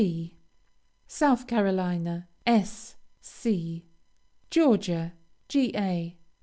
C. South Carolina, S. C. Georgia, Ga.